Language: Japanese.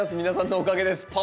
皆さんのおかげです。